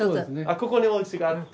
ここにおうちがあって。